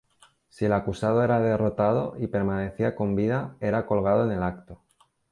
Si el acusado era derrotado, y permanecía con vida, era colgado en el acto.